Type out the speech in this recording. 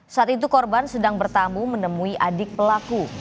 saat itu korban sedang bertamu menemui adik pelaku